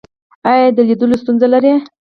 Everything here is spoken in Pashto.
ایا د لیدلو ستونزه لرئ؟